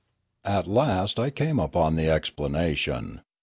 At last I came upon the explanation.